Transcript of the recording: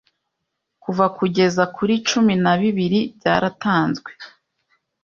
kuva kugeza kuri cumi na bibiri byaratanzwe